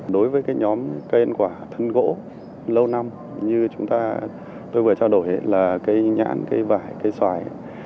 đối với cái nhóm cây ăn quả thân gỗ lâu năm như chúng ta tôi vừa trao đổi là cây nhãn cây vải cây xoài